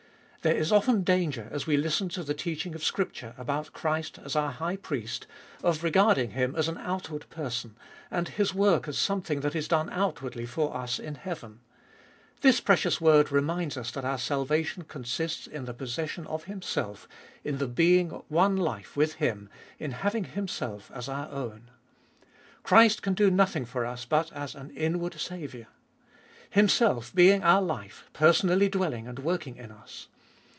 There is often danger, as we listen to the teaching of Scripture about Christ as our High Priest, of regarding Him as an outward person, and His work as something that is done outwardly for us in heaven. This precious word reminds us that our salvation consists in the possession of Himself, in the being one life with Him, in having Himself as our own. Christ can do nothing for us but as an inward Saviour. Himself being our life, per sonally dwelling and working in us.